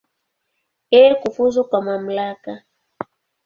Yeye kufuzu kwa mamlaka.